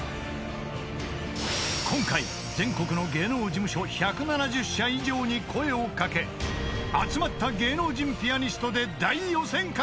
［今回全国の芸能事務所１７０社以上に声を掛け集まった芸能人ピアニストで大予選会を開催！］